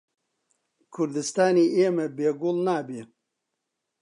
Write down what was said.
کوردستانی ئێمە بێ گوڵ نابێ